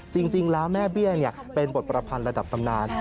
จริงแล้วแม่เบี้ยเป็นบทประพันธ์ระดับตำนาน